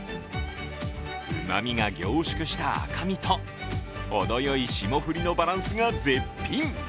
うまみが凝縮した赤身と、ほどよい霜降りのバランスが絶品。